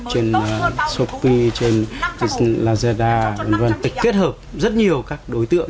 trên shopee trên lazada kết hợp rất nhiều các đối tượng